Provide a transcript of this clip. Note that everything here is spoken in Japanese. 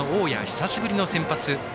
久しぶりの先発。